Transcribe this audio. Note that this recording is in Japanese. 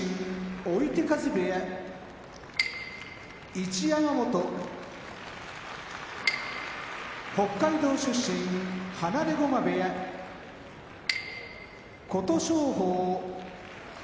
追手風部屋一山本北海道出身放駒部屋琴勝峰